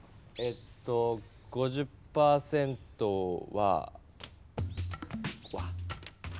えっと５０％はは。